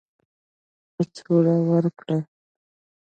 ټپي ته باید روغتیایي کڅوړه ورکړو.